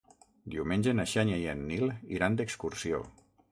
Diumenge na Xènia i en Nil iran d'excursió.